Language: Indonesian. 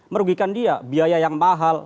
merugikan dia biaya yang mahal